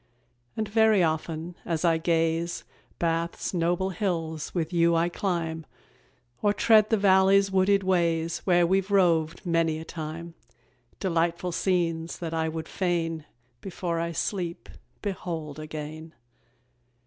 And very often, as I gaze, Bath's noble hills with you I climb, Or tread the valley's wooded ways Where we've roved many a time: Delightful scenes that I would fain, Before I sleep, behold again.